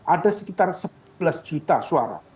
ada sekitar sebelas juta suara